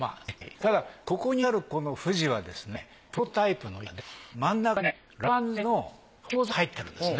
ただここにあるこのフジはですねプロトタイプの板で真ん中にねラワン材の補強材が入ってるんですね。